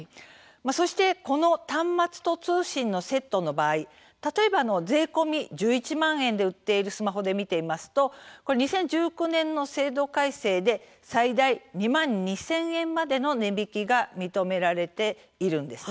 そしてこの端末と通信のセットの場合例えば税込み１１万円で売っているスマホで見えると２０１９年の制度改正で最大２万２０００円までの値引きが認められています。